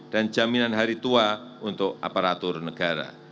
dan jaminan hari tua untuk aparatur negara